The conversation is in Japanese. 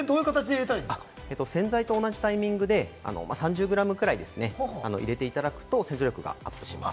洗剤と同じタイミングで３０グラムくらいですね、入れていただくと洗浄力がアップします。